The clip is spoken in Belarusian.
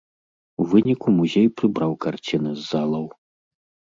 У выніку музей прыбраў карціны з залаў.